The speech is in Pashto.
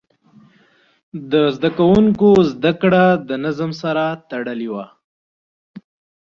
د زده کوونکو زده کړه د نظم سره تړلې وه.